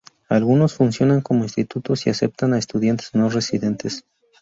Algunos funcionan como institutos y aceptan a estudiantes no residentes.